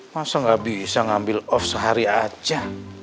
masa nggak bisa ngambil off sehari aja